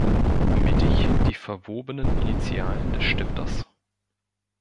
Mittig die verwobenen Initialen des Stifters.